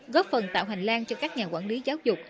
góp phần tạo hành lang cho các nhà quản lý giáo dục